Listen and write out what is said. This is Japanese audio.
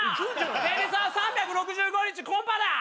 テニサーは３６５日コンパだ！